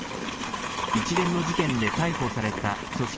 一連の事件で逮捕された組織